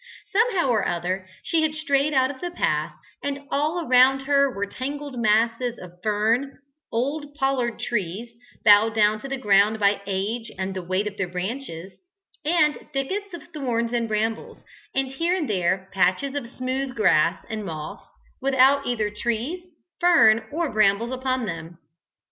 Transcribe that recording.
Somehow or other, she had strayed out of the path, and all around her were tangled masses of fern, old pollard trees bowed down to the ground by age and the weight of their branches, and thickets of thorns and brambles, and here and there patches of smooth grass and moss, without either trees, fern or brambles upon them.